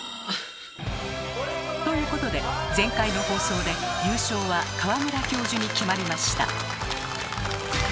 あ！ということで前回の放送で優勝は川村教授に決まりました。